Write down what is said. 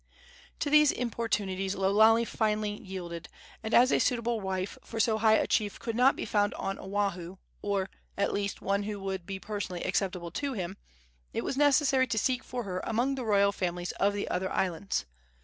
To these importunities Lo Lale finally yielded; and as a suitable wife for so high a chief could not be found on Oahu, or, at least, one who would be personally acceptable to him, it was necessary to seek for her among the royal families of the other islands.